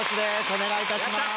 お願いいたします。